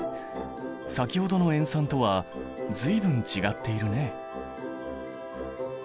先ほどの塩酸とは随分違っているね。